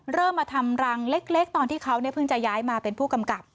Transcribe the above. เริ่มมาทำรังเล็กตอนที่เขาเพิ่งจะย้ายมาเป็นผู้กำกับ